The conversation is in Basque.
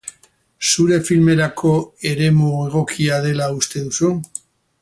Zure filmerako eremu egokia dela uste duzu?